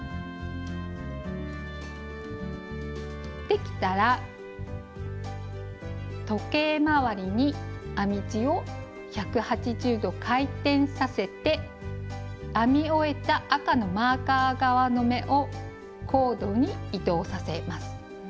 できたら時計回りに編み地を１８０度回転させて編み終えた赤のマーカー側の目をコードに移動させます。